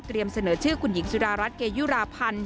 เสนอชื่อคุณหญิงสุดารัฐเกยุราพันธ์